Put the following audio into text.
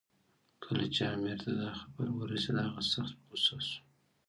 کله چې امیر ته دا خبر ورسېد، هغه سخت په غوسه شو.